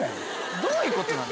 どういうことなの？